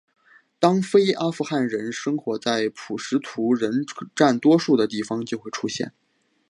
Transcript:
当非阿富汗人生活在普什图人占多数的地方就会出现。